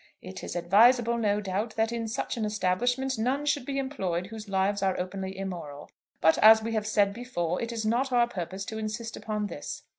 It is advisable, no doubt, that in such an establishment none should be employed whose lives are openly immoral; but as we have said before, it is not our purpose to insist upon this.